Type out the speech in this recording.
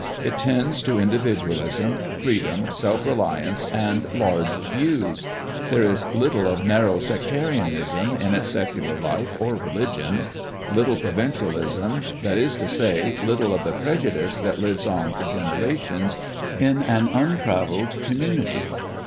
It tends to individualism, freedom, self reliance, and large views ; there is little of narrow sectarianism in its secular life or religion ; little provincialism, that is to say, little of the prejudice that lives on for genera tions in an untravelled community.